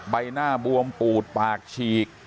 ใบหน้าบวมปูดปากฉีก